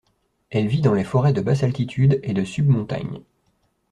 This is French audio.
Elle vit dans les forêts de basse altitude et de sub-montagne.